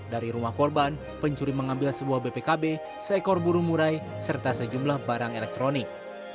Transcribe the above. dari rumah korban pencuri mengambil sebuah bpkb seekor burung murai serta sejumlah barang elektronik